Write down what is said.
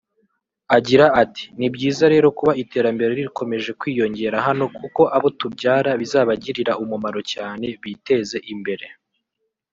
Agira ati “Ni byiza rero kuba iterambere rikomeje kwiyongera hano kuko abo tubyara bizabagirira umumaro cyane biteze imbere